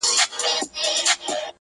کلی ورو ورو د پیښي له فشار څخه ساه اخلي-